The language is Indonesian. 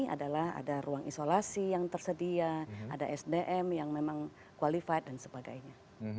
oleh karena itu dalam hal ini adalah ada ruang isolasi yang tersedia ada sdm yang memang qualified dan sebagainya